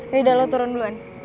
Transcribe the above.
yaudah lo turun duluan